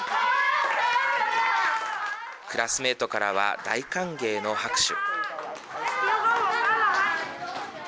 クラスメートからは大歓迎の拍手。